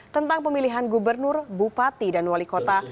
tentang pemilihan gubernur bupati dan wali kota